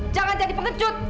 jangan jadi pengecut